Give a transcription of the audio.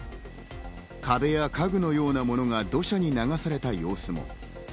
壁や家具のようなものが土砂で流された様子も。